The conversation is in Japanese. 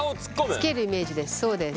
つけるイメージですそうです。